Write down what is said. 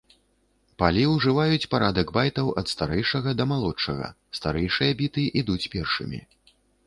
Палі ўжываюць парадак байтаў ад старэйшага да малодшага, старэйшыя біты ідуць першымі.